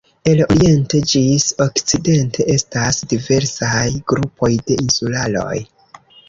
El oriente ĝis okcidente estas diversaj grupoj de insularoj.